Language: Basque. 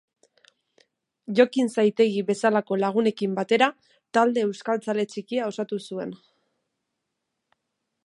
Jokin Zaitegi bezalako lagunekin batera talde euskaltzale txikia osatu zuen.